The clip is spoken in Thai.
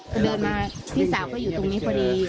พอเดินมาพี่สาวก็อยู่ตรงนี้พอดี